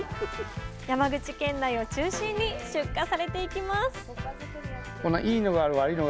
山口県内を中心に出荷されていきます